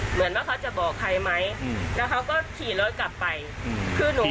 เหมือนว่าเขาจะบอกใครไหมอืมแล้วเขาก็ขี่รถกลับไปอืมคือหนู